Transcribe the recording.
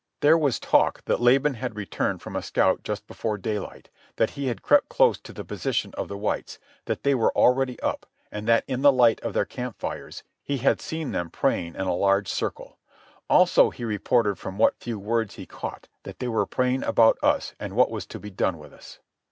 There was talk that Laban had returned from a scout just before daylight; that he had crept close to the position of the whites; that they were already up; and that in the light of their campfires he had seen them praying in a large circle. Also he reported from what few words he caught that they were praying about us and what was to be done with us.